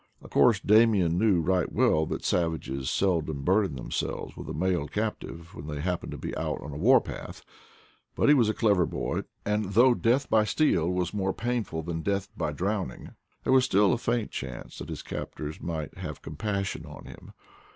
Of course Damian knew right well that savages seldom bur den themselves with a male captive when they happen to be out on the war path; but he was a clever boy, and though death by steel was more painful than death by drowning, there was still a faint chance that his captors might have compas sion on him.